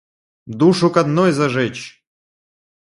Душу к одной зажечь!